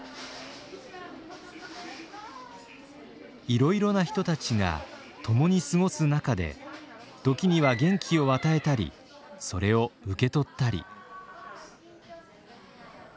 いろいろな人たちが共に過ごす中で時には元気を与えたりそれを受け取ったり。